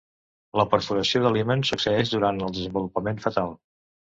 La perforació de l'himen succeeix durant el desenvolupament fetal.